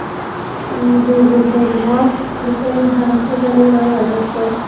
د دهروات د کلي هغه ښځه مې راياده سوه.